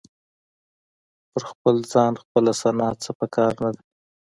په خپل ځان خپله ثنا څه په کار نه ده.